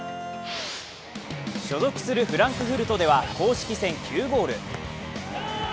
所属するフランクフルトでは公式戦９ゴール。